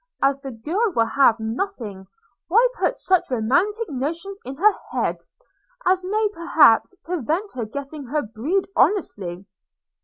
As the girl will have nothing, why put such romantic notions in her head, as may perhaps prevent her getting her bread honestly?